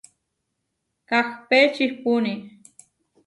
Kahpé čihpúni.